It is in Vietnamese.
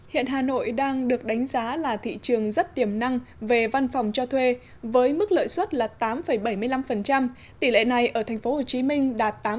hiện hà nội đang được đánh giá là thị trường rất tiềm năng về văn phòng cho thuê với mức lợi suất là tám bảy mươi năm tỷ lệ này ở tp hcm đạt tám